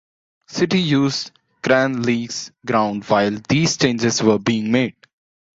City used Cranleigh's ground while these changes were being made.